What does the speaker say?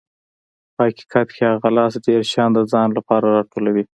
په حقیقت کې هغه لاس ډېر شیان د ځان لپاره راټولوي.